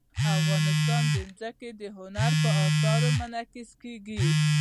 افغانستان کې ځمکه د هنر په اثار کې منعکس کېږي.